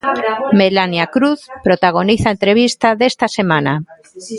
Melania Cruz protagoniza a entrevista desta semana.